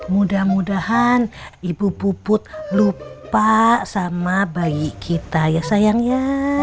mudah mudahan ibu puput lupa sama bagi kita ya sayang ya